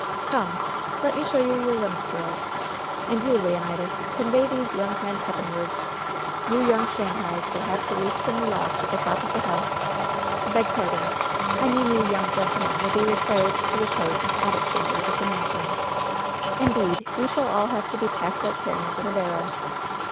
"Come! Let me show you your rooms, girls. And you, Leonidas, convey these young men heavenward. Ton young Shanghais will have to roost in the loft at the top of the house. Beg pardon. I mean you young gentlemen will be required to repose in the attic cham bers of the mansion. Indeed, we shall all have to be packed like herrings in a barrel.